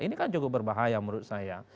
ini kan cukup berbahaya menurut saya